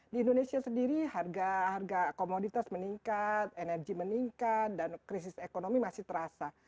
di indonesia sendiri harga komoditas meningkat energi meningkat dan krisis ekonomi masih terasa